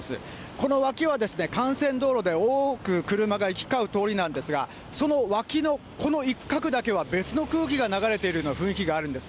この脇は、幹線道路で、多く車が行き交う通りなんですが、その脇のこの一角だけは別の空気が流れているような雰囲気があるんです。